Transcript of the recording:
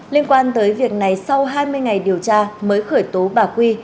liên quan tới việc này sau hai mươi ngày điều tra mới khởi tố bà quy